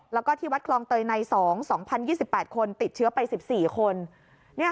แล้วก็ที่วัดคลองเตยใน๒๒๐๒๘คนติดเชื้อไป๑๔คน